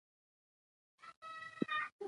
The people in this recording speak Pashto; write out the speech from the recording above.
د جوزجان په درزاب کې ګاز شته.